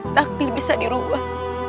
takdir bisa diubah